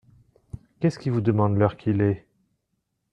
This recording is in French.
Qu’est-ce qui vous demande l’heure qu’il est ?…